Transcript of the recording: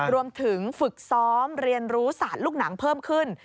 รวมถึงฝึกซ้อมเรียนรู้ศาสตร์ลูกหนังเพิ่มขึ้น